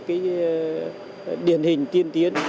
cái điển hình tiên tiến